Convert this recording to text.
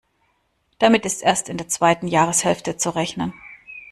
Damit ist erst in der zweiten Jahreshälfte zu rechnen.